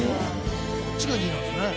こっちが２位なんですね。